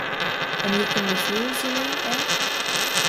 And you can refuse, you mean, eh?